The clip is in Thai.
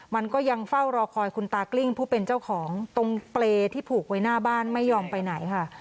มันก็ยังเฝ้ารอคอยคุณตากลิ้งผู้เป็นเจ้าของตรงเปรย์ที่ผูกไว้หน้าบ้านไม่ยอมไปไหนค่ะ